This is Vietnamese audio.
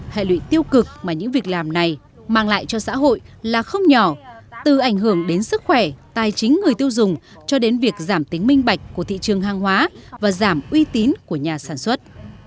hệ lụy tiêu cực mà những việc làm này mang lại cho xã hội là không nhỏ từ ảnh hưởng đến sức khỏe tài chính người tiêu dùng cho đến việc giảm tính minh bạch của thị trường hàng hóa và giảm uy tín của nhà sản xuất